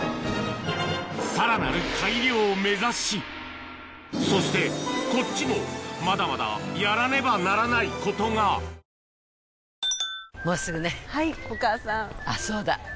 さらなる改良を目指しそしてこっちもまだまだやらねばならないことが田んぼに水がいくか？